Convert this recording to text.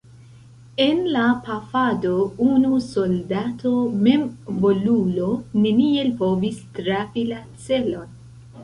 En la pafado unu soldato memvolulo neniel povis trafi la celon.